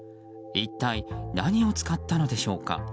一体何を使ったのでしょうか。